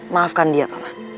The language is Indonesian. maafkan dia paman